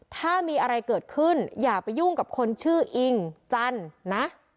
ถ้ามีอะไรเกิดขึ้นอย่าไปยุ่งกับคนชื่ออิงจันทร์นะ